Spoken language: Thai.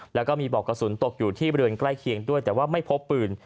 แล้วก็มีบอกกระสุนตกอยู่ที่บริเวณใกล้เคียงด้วยแต่ว่าไม่พบปืน